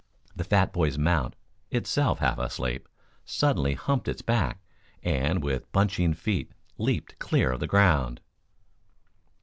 The fat boy's mount, itself half asleep, suddenly humped its back, and with bunching feet leaped clear of the ground.